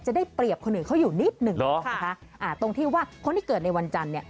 จะได้เปรียบคนอื่นเขาอยู่นิดหนึ่งนะคะอ่าตรงที่ว่าคนที่เกิดในวันจันทร์เนี่ย